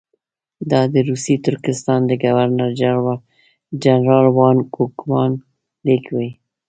دا د روسي ترکستان د ګورنر جنرال وان کوفمان لیک وو.